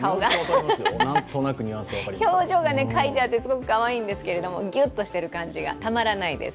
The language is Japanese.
表情が描いてあってすごくかわいいんですけどギュッとしてる感じがたまらないです。